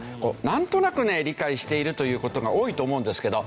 なんとなくね理解しているという事が多いと思うんですけど。